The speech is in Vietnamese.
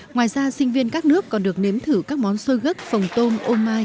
ngoài ra sinh viên các nước còn được nếm thử các món xôi gất phồng tôm ô mai